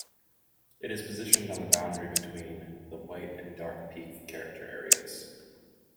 It is positioned on the boundary between the White and Dark Peak character areas.